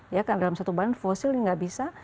ya kan dalam satu bahan fossil ini nggak bisa